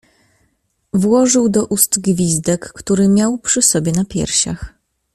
"Włożył do ust gwizdek, który miał przy sobie na piersiach."